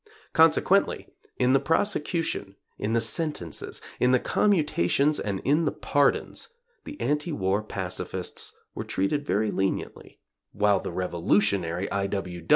Consequently, in the prosecution, in the sentences, in the commutations and in the pardons, the anti war pacifists were treated very leniently, while the revolutionary I.